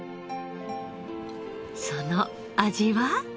その味は？